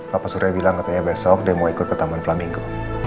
papa suraya bilang katanya besok dia mau ikut ke taman flamingo